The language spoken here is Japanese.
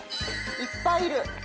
いっぱいいる。